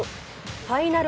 ファイナル